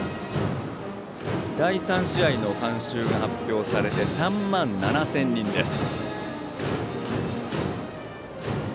第３試合の観衆が３万７０００人です。